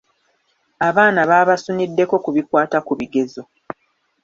Abaana baabasuniddeko ku bikwata ku bigezo.